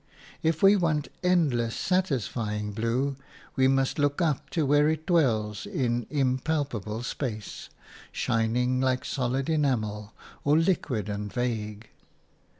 If we want endless, satisfying blue, we must look up to where it dwells in impalpable space, shining like solid enamel, or liquid and vague.